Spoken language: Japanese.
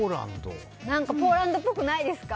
ポーランドっぽくないですか？